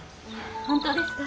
・本当ですか？